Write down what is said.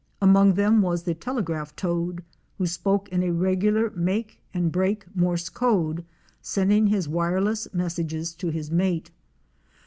Among them was the Telegraph Toad who spoke in a regular make and break Morse code, sending his wireless messages to his mate.